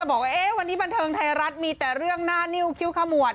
บอกว่าวันนี้บันเทิงไทยรัฐมีแต่เรื่องหน้านิ้วคิ้วขมวด